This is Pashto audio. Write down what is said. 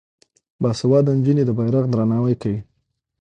باسواده نجونې د بیرغ درناوی کوي.